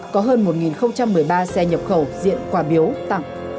có hơn một một mươi ba xe nhập khẩu diện quả biếu tặng